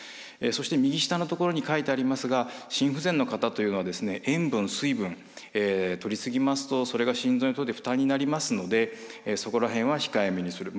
そして右下のところに書いてありますが心不全の方というのは塩分水分とり過ぎますとそれが心臓にとって負担になりますのでそこら辺はひかえめにする。